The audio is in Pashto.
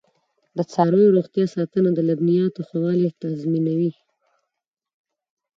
د څارویو روغتیا ساتنه د لبنیاتو ښه والی تضمینوي.